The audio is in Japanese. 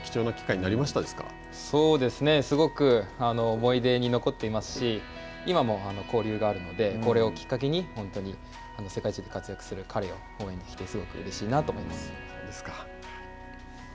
思い出に残っていますし今も交流があるのでこれをきっかけに本当に世界で活躍する彼を応援することができてうれしいなと思います。